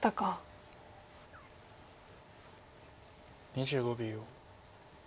２５秒。